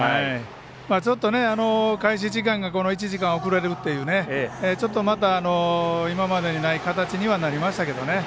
ちょっと、開始時間が１時間遅れるっていうちょっとまた、今までにない形にはなりましたけどね。